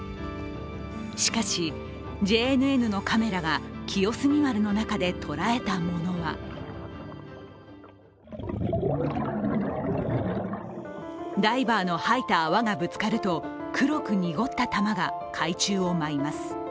しかし、ＪＮＮのカメラが「清澄丸」の中で捉えたものはダイバーのはいた泡がぶつかると黒く濁った玉が海中を舞います。